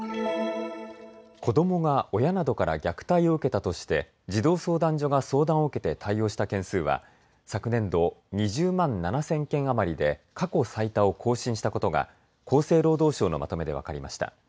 子どもが親などから虐待を受けたとして児童相談所が相談を受けて対応した件数は昨年度２０万７０００件余りで過去最多を更新したことが厚生労働省のまとめで分かりました。